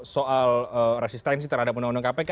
soal resistensi terhadap undang undang kpk